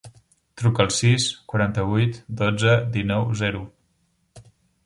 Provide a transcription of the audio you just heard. Truca al sis, quaranta-vuit, dotze, dinou, zero.